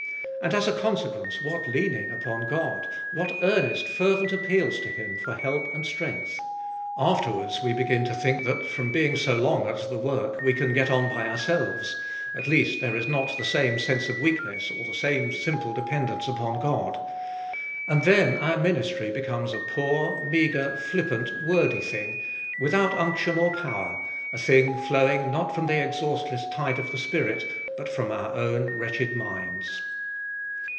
and, as a consequence, what leaning upon God! what earnest, fervent appeals to him for help and strength! Afterwards we begin to think that, from being so long at the work, we can get on by ourselves, at least there is not the same sense of weakness or the same simple dependence upon God; and then our ministry becomes a poor, meagre, flippant, wordy thing, without unction or power, a thing flowing, not from the exhaustless tide of the Spirit, but from our own wretched minds.